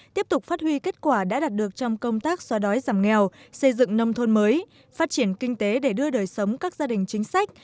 tiếp tục phát huy kết quả đã đạt được trong công tác xóa đói giảm nghèo xây dựng nông thôn mới phát triển kinh tế để đưa đời sống các gia đình chính sách